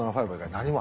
何も。